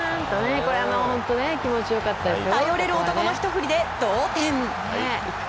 頼れる男のひと振りで同点。